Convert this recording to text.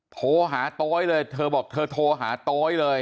โทรหาโต๊ยเลยเธอบอกเธอโทรหาโต๊ยเลย